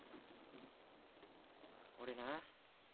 俺な